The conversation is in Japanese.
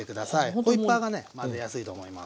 ホイッパーがね混ぜやすいと思います。